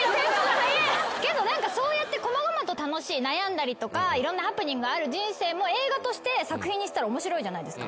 けど何かそうやってこまごまと楽しい悩んだりとかいろんなハプニングがある人生も映画として作品にしたら面白いじゃないですか。